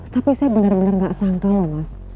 tapi saya benar benar gak sangka loh mas